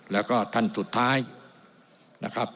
แล้วก็ท่านสุดท้ายนะครับ